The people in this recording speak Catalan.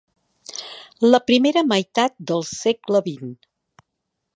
La primera meitat del segle vint.